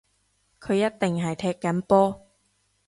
佢一定係踢緊波